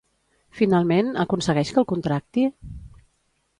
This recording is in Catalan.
Finalment, aconsegueix que el contracti?